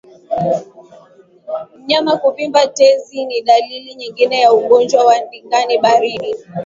Mnyama kuvimba tezi ni dalili nyingine ya ugonjwa wa ndigana baridi